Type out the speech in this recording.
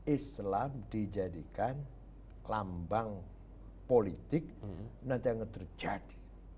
islam dijadikan lambang politik nanti akan terjadi